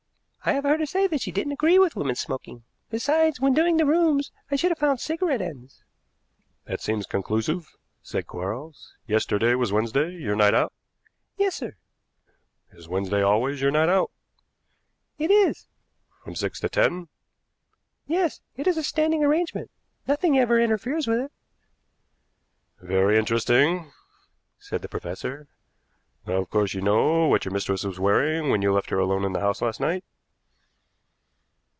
"I have heard her say she didn't agree with women smoking. Besides, when doing the rooms I should have found cigarette ends." "That seems conclusive," said Quarles. "Yesterday was Wednesday, your night out?" "Yes, sir." "Is Wednesday always your night out?" "It is." "From six to ten?" "Yes; it is a standing arrangement; nothing ever interferes with it." "Very interesting," said the professor. "Now, of course you know what your mistress was wearing when you left her alone in the house last night?"